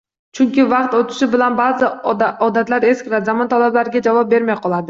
Chunki vaqt oʻtishi bilan baʼzi odatlar eskiradi, zamon talablariga javob bermay qoladi